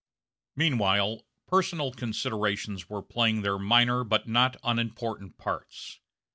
Meanwhile, personal considerations were playing their minor, but not unimportant parts.